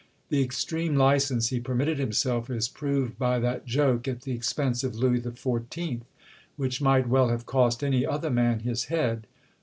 The extreme licence he permitted himself is proved by that joke at the expense of Louis XIV., which might well have cost any other man his head.